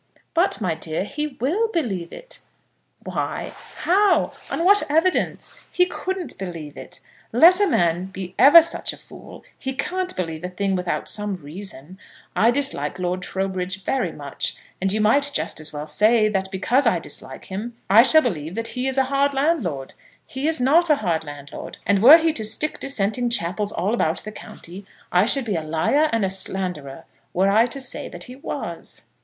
"But, my dear, he will believe it." "Why? How? On what evidence? He couldn't believe it. Let a man be ever such a fool, he can't believe a thing without some reason. I dislike Lord Trowbridge very much; and you might just as well say that because I dislike him I shall believe that he is a hard landlord. He is not a hard landlord; and were he to stick dissenting chapels all about the county, I should be a liar and a slanderer were I to say that he was."